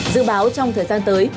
dự báo trong thời gian tới